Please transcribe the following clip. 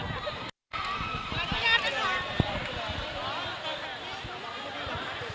่าลุยอย่างแบบนั้นกัน